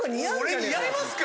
俺似合いますか？